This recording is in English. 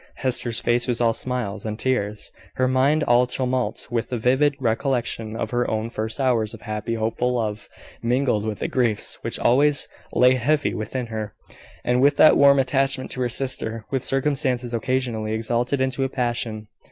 Hester's face was all smiles and tears: her mind all tumult with the vivid recollection of her own first hours of happy hopeful love, mingled with the griefs which always lay heavy within her, and with that warm attachment to her sister which circumstances occasionally exalted into a passion.